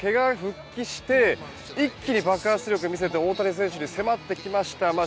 けがから復帰して一気に爆発力を見せて大谷選手に迫ってきました。